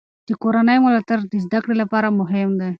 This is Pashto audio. د کورنۍ ملاتړ د زده کړې لپاره مهم دی.